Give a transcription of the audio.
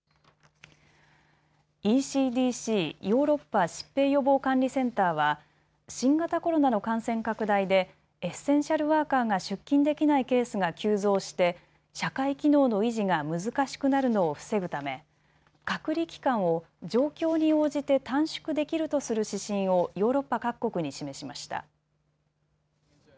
ＥＣＤＣ・ヨーロッパ疾病予防管理センターは新型コロナの感染拡大でエッセンシャルワーカーが出勤できないケースが急増して社会機能の維持が難しくなるのを防ぐため隔離期間を状況に応じて短縮できるとする指針をヨーロッパ各国に示しました。